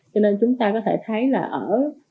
cho nên chúng ta có thể thấy là ở